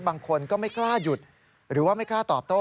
บางคนก็ไม่กล้าหยุดหรือว่าไม่กล้าตอบโต้